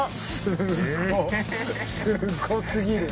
すごすごすぎる！